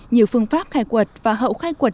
nhiều phương pháp khai quật và hậu khai quật